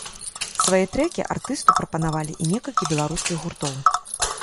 Свае трэкі артысту прапанавалі і некалькі беларускіх гуртоў.